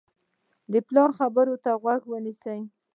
د پلار خبرو ته غوږ نیسي.